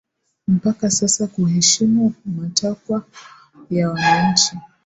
mpaka sasa kuheshimu matakwa ya wananchi